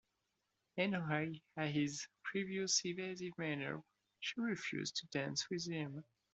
Annoyed at his previous evasive maneuver, she refuses to dance with him.